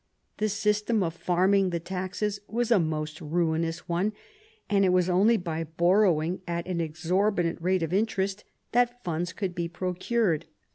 The system of farming the taxes was a most ruinous one, and it was only by borrowing at an ex orbitant rate of interest that funds could be procured.